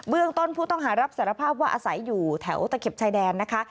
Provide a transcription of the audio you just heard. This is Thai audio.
ต้นผู้ต้องหารับสารภาพว่าอาศัยอยู่แถวตะเข็บชายแดนนะคะ